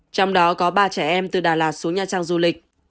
trong đó có ba trẻ em từ đà lạt xuống nha trang du lịch